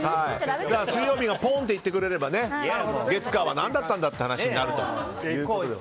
水曜日がポーンと行ってくれれば月火は何だったんだという話になると。